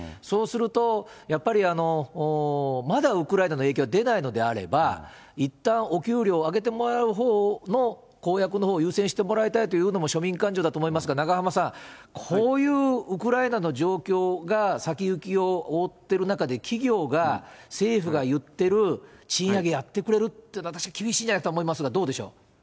そうすると、やっぱりまだウクライナの影響が出ないのであれば、いったんお給料を上げてもらうほうの公約のほうを優先してもらいたいってのも庶民感情だと思いますが、永濱さん、こういうウクライナの状況が先行きを覆ってる中で、企業が政府がいってる賃上げ、やってくれるっていうのは、私は厳しいんじゃないかと思いますが、どうでしょう。